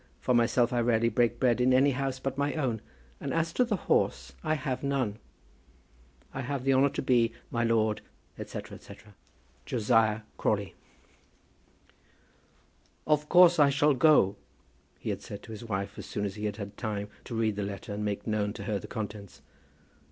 For myself, I rarely break bread in any house but my own; and as to the horse, I have none. I have the honour to be, My lord, &c. &c., JOSIAH CRAWLEY. "Of course I shall go," he had said to his wife as soon as he had had time to read the letter, and make known to her the contents.